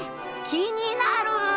気になる。